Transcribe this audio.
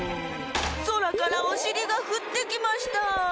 そらからおしりがふってきました。